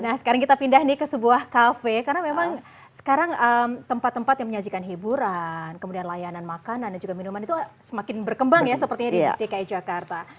nah sekarang kita pindah nih ke sebuah kafe karena memang sekarang tempat tempat yang menyajikan hiburan kemudian layanan makanan dan juga minuman itu semakin berkembang ya sepertinya di dki jakarta